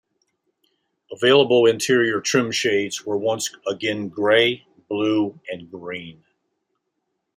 Available interior trim shades were once again gray, blue, and green.